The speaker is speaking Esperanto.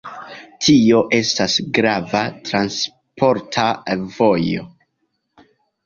Tio estas grava transporta vojo.